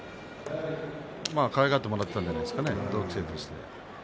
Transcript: かわいがってもらっていたんじゃないですか同期生ですし。